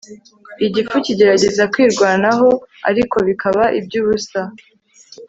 Igifu kigerageza kwirwanaho ariko bikaba ibyubusa